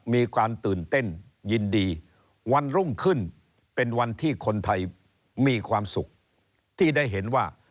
มีการตื่นเต้นยินดีวันรุ่งขึ้นเป็นวันที่คนไทยมีความสุขที่ได้เห็นว่า